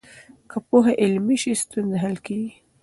که پوهه عملي شي، ستونزې حل کېږي.